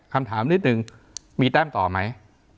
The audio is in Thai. คำถามนิดนึงมีแต้มต่อไหม